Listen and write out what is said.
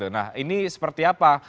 nah ini seperti apa